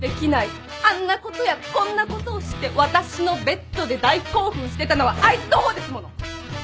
あんなことやこんなことをして私のベッドで大興奮してたのはあいつの方ですもの！